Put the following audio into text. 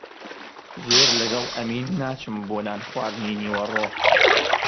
زۆر لەگەڵ ئەمین ناچم بۆ نانخواردنی نیوەڕۆ.